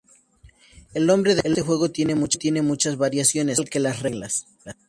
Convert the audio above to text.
El nombre de este juego tiene muchas variaciones, al igual que las reglas.